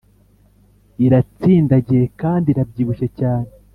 iratsindagiye kandi irabyibushye cyane